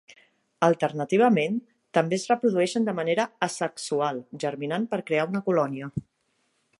Alternativament, també es reprodueixen de manera asexual, germinant per crear una colònia.